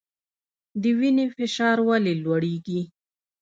د وینې فشار ولې لوړیږي؟